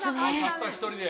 たった一人で。